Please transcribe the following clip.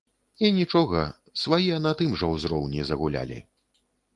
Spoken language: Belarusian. І нічога, свае на тым жа ўзроўні загулялі.